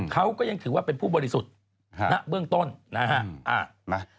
เขาก็ยังถือว่าเป็นผู้บริสุทธิ์ณเบื้องต้นนะฮะ